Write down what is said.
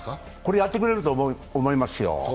やってくれると思いますよ。